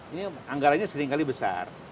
ini anggaranya sering kali besar